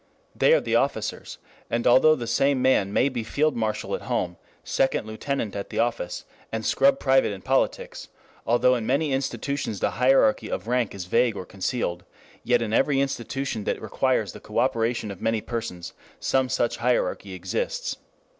They are the officers, and although the same man may be field marshal at home, second lieutenant at the office, and scrub private in politics, although in many institutions the hierarchy of rank is vague or concealed, yet in every institution that requires the cooperation of many persons, some such hierarchy exists.